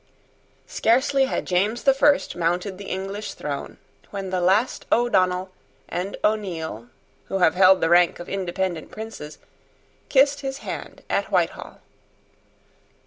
Scarcely had James the First mounted the English throne when the last O'Donnel and O'Neil who have held the rank of independent princes kissed his hand at Whitehall.